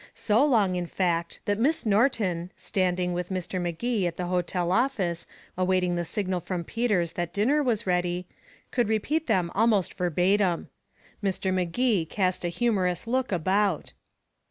So long, in fact, that Miss Norton, standing with Mr. Magee in the hotel office awaiting the signal from Peters that dinner was ready, could repeat them almost verbatim. Mr. Magee cast a humorous look about.